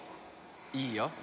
いいよ。